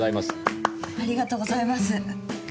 ありがとうございます。